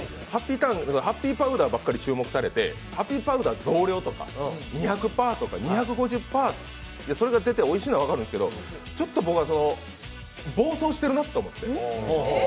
ハッピーターンのハッピーパウダーばっかり注目されてハッピーパウダー増量とか、２００％とか２５０％とか、それが出ておいしいのは分かるんですけど暴走してるなと思って。